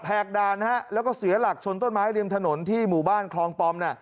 กด่านแล้วก็เสียหลักชนต้นไม้ริมถนนที่หมู่บ้านคลองปอมน่ะ